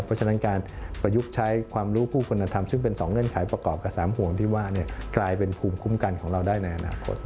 เพราะฉะนั้นการประยุกต์ใช้ความรู้ผู้คุณธรรมซึ่งเป็น๒เงื่อนไขประกอบกับ๓ห่วงที่ว่ากลายเป็นภูมิคุ้มกันของเราได้ในอนาคต